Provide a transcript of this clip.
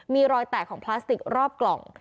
มีรอยแตกของพลาสติกรอบกล่อง